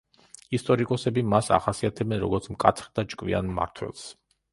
ისტორიკოსები მას ახასიათებენ, როგორც მკაცრ და ჭკვიან მმართველს.